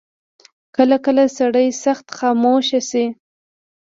کله کله سړی سخت خاموشه شي.